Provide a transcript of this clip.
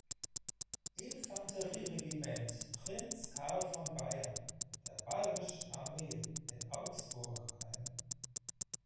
Infanterie-Regiment „Prinz Karl von Bayern“ der Bayerischen Armee in Augsburg ein.